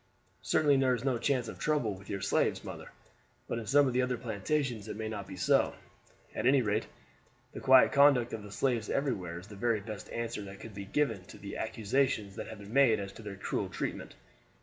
"Certainly there is no chance of trouble with your slaves, mother; but in some of the other plantations it may not be so. At any rate the quiet conduct of the slaves everywhere is the very best answer that could be given to the accusations that have been made as to their cruel treatment.